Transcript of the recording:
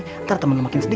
nanti temen lu makin sedih